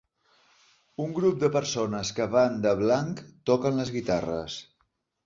Un grup de persones que van de blanc, toquen les guitarres.